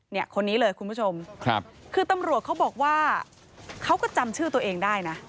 เนี่ยคนนี้เลยคุณผู้ชมครับคือตำรวจเขาบอกว่าเขาก็จำชื่อตัวเองได้นะ